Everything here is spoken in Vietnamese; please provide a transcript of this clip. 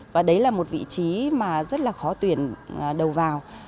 và đấy là một vị trí mà rất là khó tuyển đầu vào